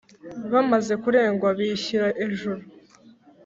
bamaze kurengwa bishyira ejuru,